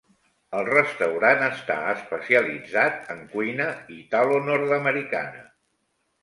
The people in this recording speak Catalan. El restaurant està especialitzat en cuina italonord-americana.